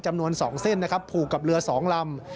จำนวน๒เส้นนะครับผูกกับเรือ๒ลำ